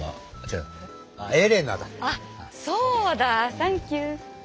あそうだ！サンキュー。